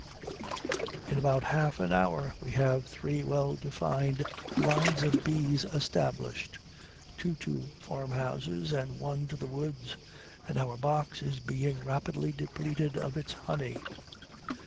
In about half an hour we have three well defined lines of bees established, two to farmhouses and one to the woods, and our box is being rapidly depleted of its honey.